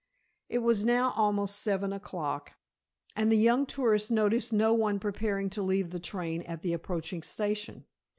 It was now almost seven o'clock, and the young tourist noticed no one preparing to leave the train at the approaching station.